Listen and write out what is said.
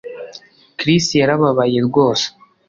Chris yarababaye rwose